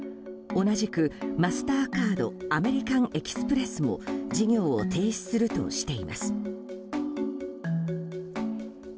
同じくマスターカードアメリカン・エキスプレスも事業を停止するとしています。